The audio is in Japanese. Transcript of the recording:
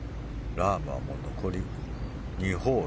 ラームは残り２ホール。